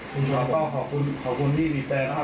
คุณชวนผมก็ขอบคุณขอบคุณที่บีบแต่นะครับ